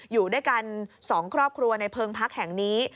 อยู่ด้วยกัน๒ครอบครัวในเพิงพักแห่งนี้